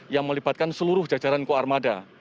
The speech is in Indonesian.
yang melibatkan seluruh jajaran koarmada